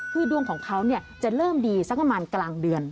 คือดวงของเขาจะเริ่มดีสักประมาณกลางเดือน